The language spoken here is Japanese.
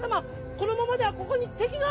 このままではここに敵が！